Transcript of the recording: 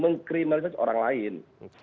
mengkriminalisasikan orang lain